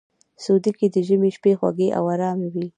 سعودي کې د ژمي شپې خوږې او ارامې وي.